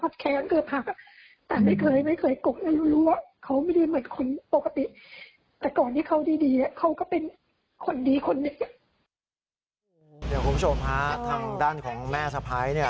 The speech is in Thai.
เดี๋ยวคุณผู้ชมฮะทางด้านของแม่สะพ้าย